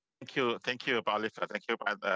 terima kasih pak oliver terima kasih pak donby